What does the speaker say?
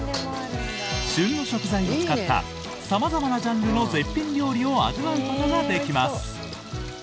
旬の食材を使った様々なジャンルの絶品料理を味わうことができます。